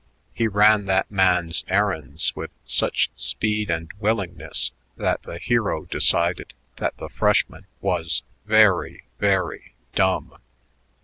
He ran that man's errands with such speed and willingness that the hero decided that the freshman was "very, very dumb."